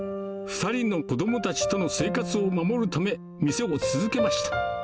２人の子どもたちとの生活を守るため、店を続けました。